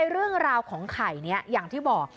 เรื่องราวของไข่นี้อย่างที่บอก